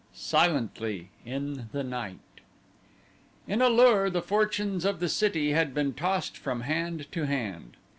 20 Silently in the Night In A lur the fortunes of the city had been tossed from hand to hand.